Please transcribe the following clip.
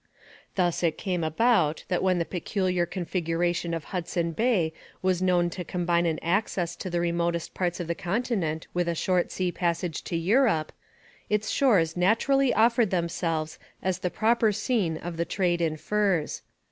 Thus it came about that when the peculiar configuration of Hudson Bay was known to combine an access to the remotest parts of the continent with a short sea passage to Europe, its shores naturally offered themselves as the proper scene of the trade in furs.